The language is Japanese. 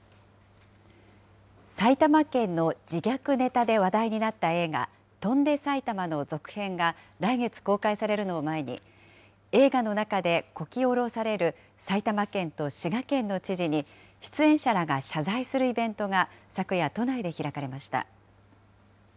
埼玉県の自虐ネタで話題になった映画、翔んで埼玉の続編が来月公開されるのを前に、映画の中でこき下ろされる埼玉県と滋賀県の知事に出演者らが謝罪するイベントが、昨夜、都内で開かれました。